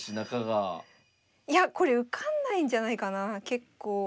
いやこれ受かんないんじゃないかな結構。